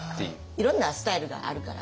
いろんなスタイルがあるから。